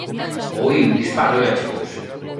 Oíu un disparo e achegouse.